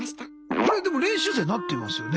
あれでも練習生なってますよね？